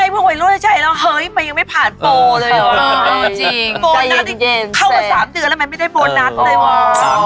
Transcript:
พวกมันรู้ใจแล้วเห้ยมันยังไม่ผ่านโปรเลยหรอ